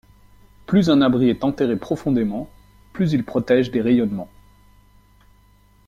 Plus un abri est enterré profondément, plus il protège des rayonnements.